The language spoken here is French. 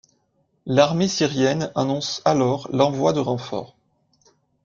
L'armée syrienne annonce alors l'envoi de renforts.